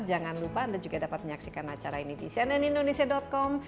jangan lupa anda juga dapat menyaksikan acara ini di cnnindonesia com